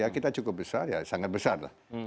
kita cukup besar sangat besar